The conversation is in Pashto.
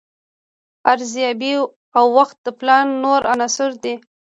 ارزیابي او وخت د پلان نور عناصر دي.